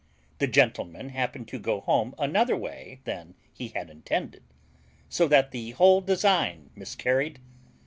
The gentleman happened to go home another way than he had intended; so that the whole design miscarried.